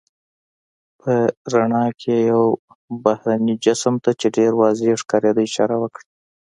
په رڼا کې یې یو بهرني جسم ته، چې ډېر واضح ښکارېده اشاره وکړه.